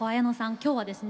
今日はですね